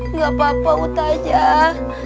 nggak apa apa ustazah